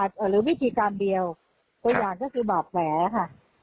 หรือวิธีการเดียวตัวอย่างก็คือบาดแผลค่ะ